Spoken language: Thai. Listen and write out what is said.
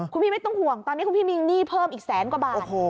คุณพี่ไม่ต้องห่วงตอนนี้คุณพี่มีหนี้เพิ่มอีกแสนกว่าบาท